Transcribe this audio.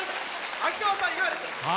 秋川さん、いかがでした？